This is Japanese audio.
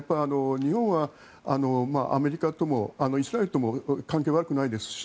日本はアメリカともイスラエルとも関係が悪くないですし